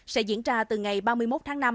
sẽ diễn ra từ ngày ba mươi một tháng năm